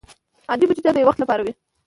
عادي بودیجه د یو وخت لپاره وي.